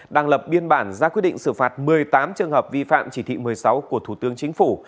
đang lập biên bản ra quyết định xử phạt một mươi tám trường hợp vi phạm chỉ thị một mươi sáu của thủ tướng chính phủ